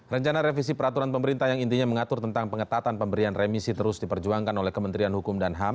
rencana revisi peraturan pemerintah yang intinya mengatur tentang pengetatan pemberian remisi terus diperjuangkan oleh kementerian hukum dan ham